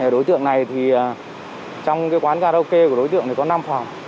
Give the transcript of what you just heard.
đối tượng này thì trong quán karaoke của đối tượng này có năm phòng